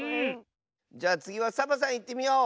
じゃあつぎはサボさんいってみよう！